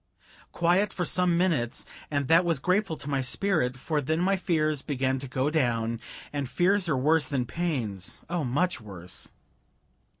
Quiet for some minutes, and that was grateful to my spirit, for then my fears began to go down; and fears are worse than pains oh, much worse.